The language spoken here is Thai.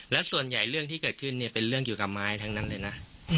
และส่วนใหญ่เรื่องที่เกิดขึ้นเนี่ยเป็นเรื่องเกี่ยวกับไม้ทั้งนั้นเลยนะ